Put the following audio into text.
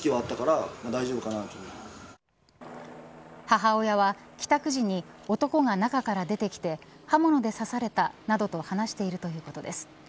母親は帰宅時に男が中から出てきて刃物で刺されたなどと話しているということです。